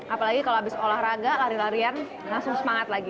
apalagi kalau habis olahraga lari larian langsung semangat lagi